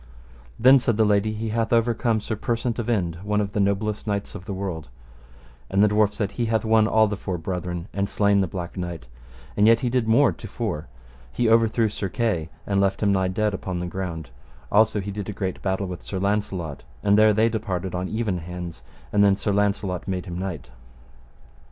Then, said the lady, he hath overcome Sir Persant of Inde, one of the noblest knights of the world, and the dwarf said, He hath won all the four brethren and slain the Black Knight, and yet he did more to fore: he overthrew Sir Kay and left him nigh dead upon the ground; also he did a great battle with Sir Launcelot, and there they departed on even hands: and then Sir Launcelot made him knight.